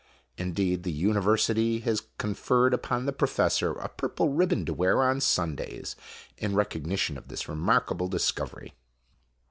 In deed, the university has conferred upon the professor a purple ribbon to wear on Sundays in recognition of this remarkable discovery.